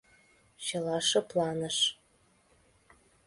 Чыла шыпланыш.